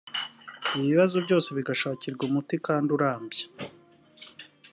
ibi bibazo byose bigashakirwa umuti kandi urambye